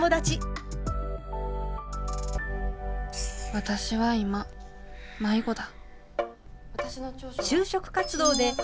私は今迷子だ。